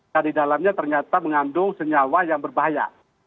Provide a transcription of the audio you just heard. nah di dalamnya ternyata mengandung senyawa yang berbahaya